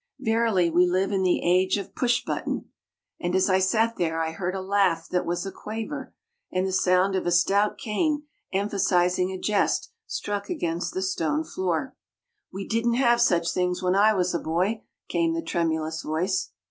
Verily we live in the age of the Push Button! And as I sat there I heard a laugh that was a quaver, and the sound of a stout cane emphasizing a jest struck against the stone floor. "We didn't have such things when I was a boy!" came the tremulous voice.